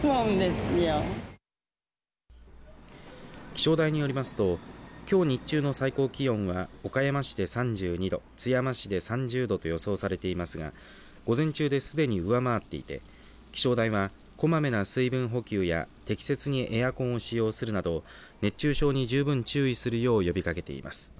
気象台によりますときょう日中の最高気温は岡山市で３２度、津山市で３０度と予想されていますが午前中で、すでに上回っていて気象台は、こまめな水分補給や適切にエアコンを使用するなど熱中症に十分注意するよう呼びかけています。